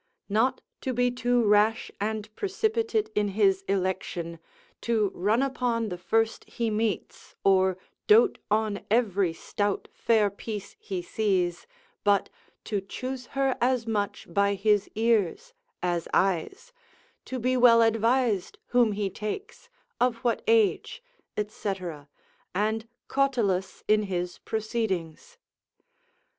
not to be too rash and precipitate in his election, to run upon the first he meets, or dote on every stout fair piece he sees, but to choose her as much by his ears as eyes, to be well advised whom he takes, of what age, &c., and cautelous in his proceedings.